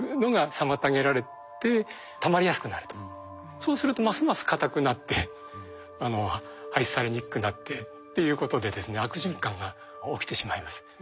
そうするとますます硬くなって排出されにくくなってっていうことでですね悪循環が起きてしまいます。